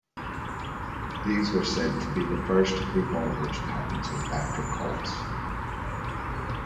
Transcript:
These were said to be the first revolvers patented after Colt's.